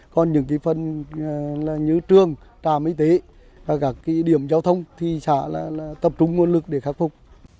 còn những phần như trường trà mỹ tế và các điểm giao thông thì sẽ tập trung nguồn lực để khắc phục